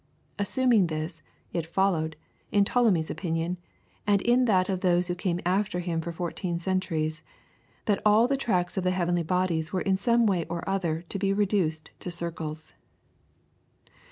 Assuming this, it followed, in Ptolemy's opinion, and in that of those who came after him for fourteen centuries, that all the tracks of the heavenly bodies were in some way or other to be reduced to circles.